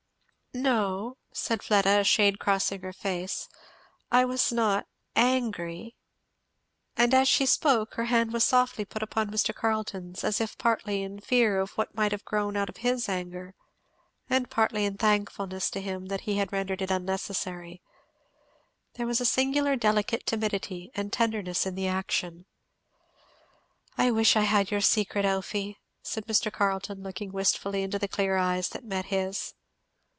"No," said Fleda, a shade crossing her face, "I was not angry " And as she spoke her hand was softly put upon Mr. Carleton's; as if partly in the fear of what might have grown out of his anger, and partly in thankfulness to him that he had rendered it unnecessary. There was a singular delicate timidity and tenderness in the action. "I wish I had your secret, Elfie," said Mr. Carleton, looking wistfully into the clear eyes that met his.